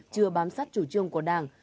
chưa bám sát chủ trương của đảng